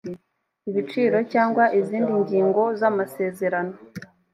ibiciro cyangwa izindi ngingo z amasezerano